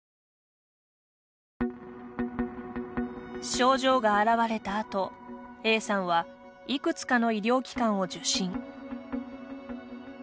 症状が現れたあと、Ａさんはいくつかの医療機関を受診。